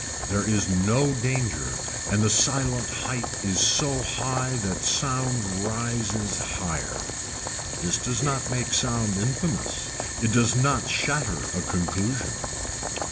There is no danger and the silent height is so high that sound rises higher. This does not make sound infamous, it does not shatter a conclusion.